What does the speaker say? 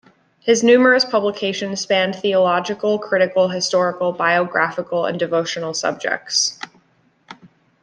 His numerous publications spanned theological, critical, historical, biographical and devotional subjects.